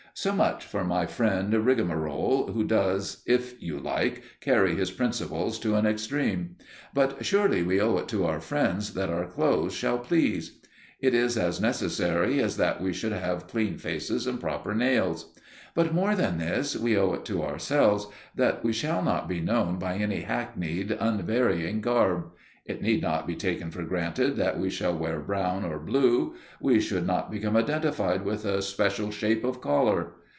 So much for my friend Rigamarole, who does, if you like, carry his principles to an extreme; but surely we owe it to our friends that our clothes shall please. It is as necessary as that we should have clean faces and proper nails. But, more than this, we owe it to ourselves that we shall not be known by any hackneyed, unvarying garb. It need not be taken for granted that we shall wear brown or blue, we should not become identified with a special shape of collar.